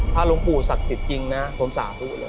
ถ้าหลวงปู่ศักดิ์สิทธิ์จริงนะผมสาธุเลย